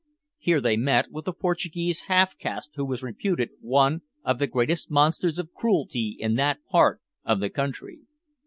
Here they met with a Portuguese half caste who was reputed one of the greatest monsters of cruelty in that part of the country.